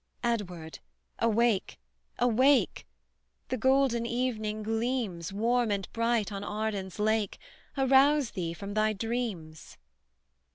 Edward, awake, awake The golden evening gleams Warm and bright on Arden's lake Arouse thee from thy dreams!